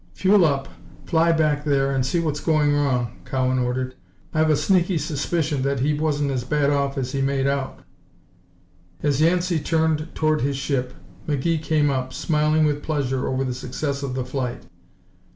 "Fuel up, fly back there and see what's wrong," Cowan ordered. "I've a sneaky suspicion that he wasn't as bad off as he made out." As Yancey turned toward his ship, McGee came up, smiling with pleasure over the success of the flight.